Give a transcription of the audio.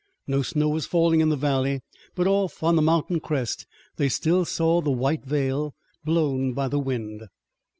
No snow was falling in the valley, but off on the mountain crest they still saw the white veil, blown by the wind.